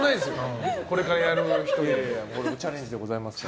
いやチャレンジでございますから。